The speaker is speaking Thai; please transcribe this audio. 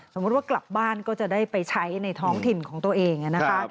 สมมุติว่ากลับบ้านก็จะได้ไปใช้ในท้องถิ่นของตัวเองนะคะ